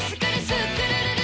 スクるるる！」